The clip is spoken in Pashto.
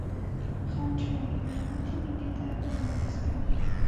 خانج وائي رڼا َد مينې ده رڼا َد سترګو